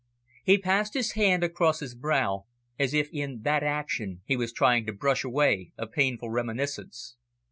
He passed his hand across his brow, as if in that action he was trying to brush away a painful reminiscence.